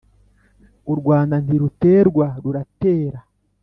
u Rwanda nti ruterwa rura tera